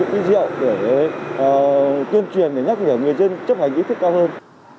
để tuyên truyền để nhắc nhở người dân chấp hành ý thức cao hơn